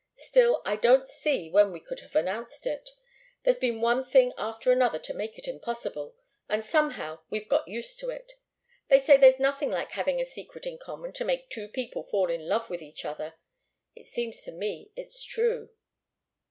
Still I don't see when we could have announced it. There's been one thing after another to make it impossible, and somehow we've got used to it. They say there's nothing like having a secret in common to make two people fall in love with each other. It seems to me it's true."